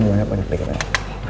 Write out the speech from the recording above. banyak banyak banyak